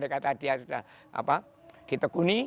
dekat hadiah sudah apa ditekuni